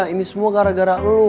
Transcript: ini semua gara gara lu